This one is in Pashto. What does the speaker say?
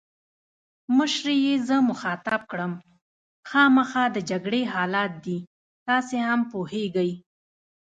مشرې یې زه مخاطب کړم: خامخا د جګړې حالات دي، تاسي هم پوهېږئ.